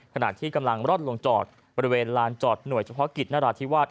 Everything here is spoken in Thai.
ขณะที่กำลังร่อนลงจอดบริเวณลานจอดหน่วยเฉพาะกิจนราธิวาส